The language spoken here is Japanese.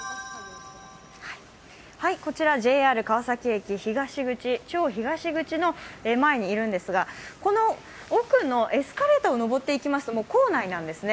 こちらＪＲ川崎駅東口の前にいるんですが、この奥のエスカレーターを上っていきますと構内なんですね。